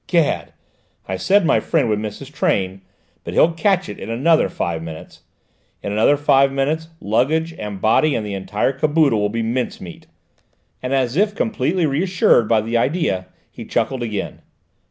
"'Gad! I said my friend would miss his train, but he'll catch it in another five minutes! In another five minutes, luggage and body and the entire caboodle will be mincemeat!" and as if completely reassured by the idea he chuckled again.